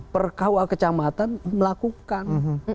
perkauan kecamatan melakukan